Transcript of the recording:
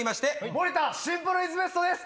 盛田シンプルイズベストです！